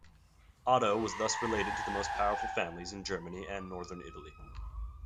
Otto was thus related to the most powerful families in Germany and northern Italy.